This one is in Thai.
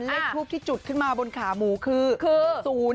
เลขทูปที่จุดขึ้นมาขาหมูบอดาลฟื้น๐๓๖